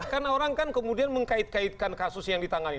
karena orang kan kemudian mengkait kaitkan kasus yang ditangani